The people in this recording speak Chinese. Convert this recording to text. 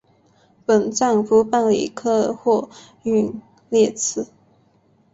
本站不办理客货运列车。